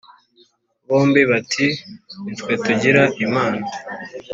Bombi bati: “Ni twe tugira Imana